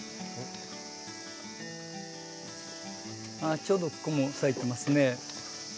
ちょうどここも咲いてますね。